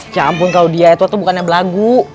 ya ampun claudia edward tuh bukannya belagu